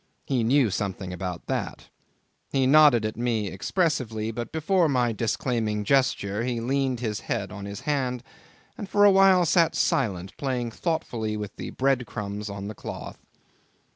He knew something about that. He nodded at me expressively, but before my disclaiming gesture he leaned his head on his hand and for a while sat silent, playing thoughtfully with the bread crumbs on the cloth